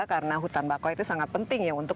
karena hutan bakau itu sangat penting ya untuk